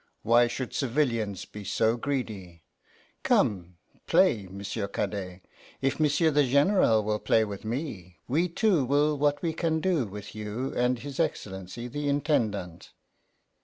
Why should civilians be so greedy? Come, play, M'sieu' Cadet. If M'sieu' the General will play with me, we two will what we can do with you and his Excellency the Intendant.